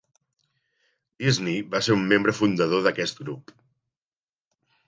Disney va ser un membre fundador d'aquest grup.